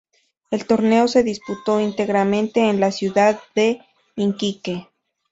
El torneo se disputó íntegramente en la ciudad de Iquique.